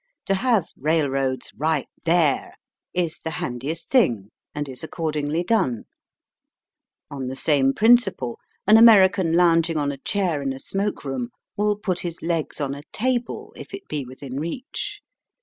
To have railroads "right there'* is the handiest thing, and is accordingly done. On the same principle, an American lounging on a chair in a smoke room will put his legs on a table if it be within reach.